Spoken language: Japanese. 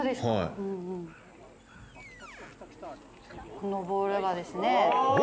このボールがですね。